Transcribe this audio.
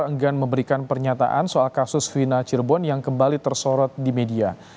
enggan memberikan pernyataan soal kasus vina cirebon yang kembali tersorot di media